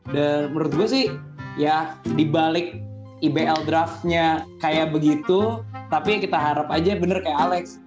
dan menurut gue sih ya dibalik ibl draftnya kayak begitu tapi kita harap aja bener kayak alex